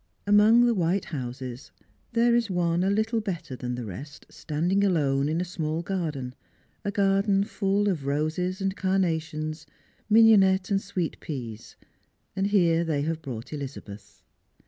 Among the white houses, there is one a little better than the rest standing alone in a small garden, a garden full of roses and carnations, mignonette and sweet peas, and here they have brought Elizabeth.